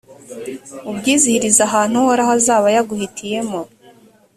ubyizihirize ahantu uhoraho azaba yaguhitiyemo,